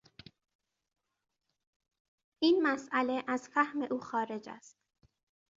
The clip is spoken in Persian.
این مسئله از فهم او خارج است.